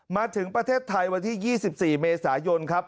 มาถึงประเทศไทยวันที่๒๔เมษายนครับ